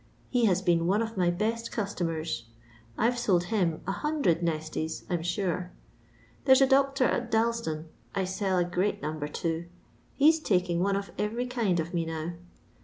He has been one of my best cus tomers. I 've sold him a hundred nesties, I 'm sure. There 's a doctor at Dalston I sell a great number to — he 's taking one of every kind of me now.